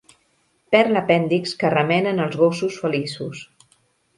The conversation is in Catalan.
Perd l'apèndix que remenen els gossos feliços.